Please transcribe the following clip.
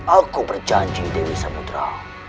aku berjanji dewi samudera